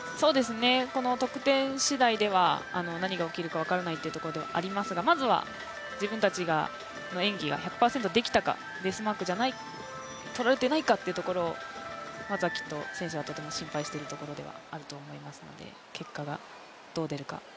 この得点しだいでは、何が起きるか分からないというところではありますが、まずは、自分たちの演技が１００％できたか、ベースマークが取られてないかを選手たちはとても心配しているところだと思いますので結果がどう出るか。